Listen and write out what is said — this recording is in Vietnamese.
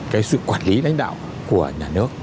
cái sự quản lý đánh đạo của nhà nước